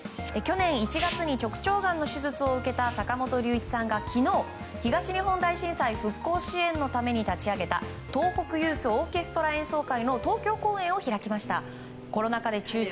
去年１月に直腸がんの手術を受けた坂本龍一さんが、昨日東日本大震災復興支援のために立ち上げた東北ユースオーケストラ演奏会の